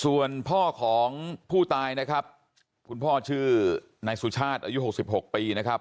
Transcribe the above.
ส่วนพ่อของผู้ตายนะครับคุณพ่อชื่อนายสุชาติอายุ๖๖ปีนะครับ